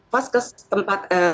pas ke tempat